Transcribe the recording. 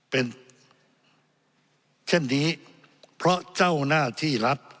เป็นเช่นนี้เพราะเจ้าหน้าที่รัฐ